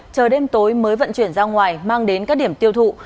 chờ đêm tối mới vận chuyển ra ngoài mang đến các điểm tiêu thụ